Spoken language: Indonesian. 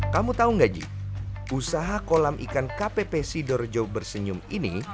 kamu tahu enggak ji usaha kolam ikan kp pesidorjo bersenyum ini